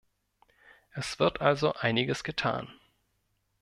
Es wird also einiges getan.